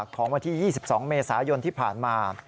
ของวันที่๒๒เมษายนที่ผ่านมา